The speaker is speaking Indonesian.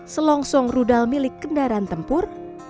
selongsong rudal milik kendaraan tempur